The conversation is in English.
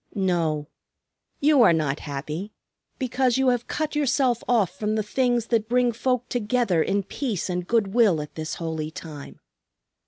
"No, you are not happy because you have cut yourself off from the things that bring folk together in peace and good will at this holy time.